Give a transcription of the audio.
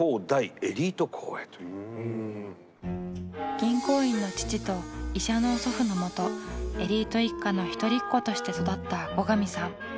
銀行員の父と医者の祖父のもとエリート一家の一人っ子として育った後上さん。